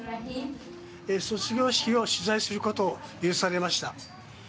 卒業式を取材することを許されました。